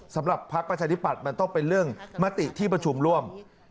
พักประชาธิปัตย์มันต้องเป็นเรื่องมติที่ประชุมร่วม